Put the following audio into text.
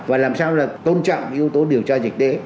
và làm sao là tôn trọng cái yếu tố điều tra dịch tế